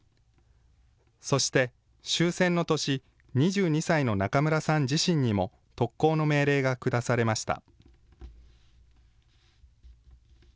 そして、終戦の年、２２歳の中村さん自身にも、特攻の命令が下されました。